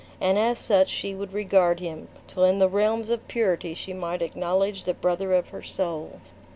and as such she would regard him, till in the realms of purity she might acknowledge the brother of her soul!